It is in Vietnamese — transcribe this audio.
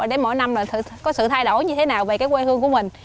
để mỗi năm có sự thay đổi như thế nào về cái quê hương của mình